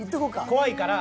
怖いから。